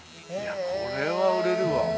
これは売れるわ。